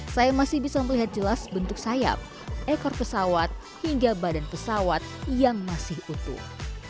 saya masih bisa melihat jelas bentuk sayap ekor pesawat hingga badan pesawat yang masih utuh